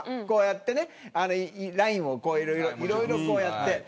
こうやってラインを越えるいろいろ、こうやって。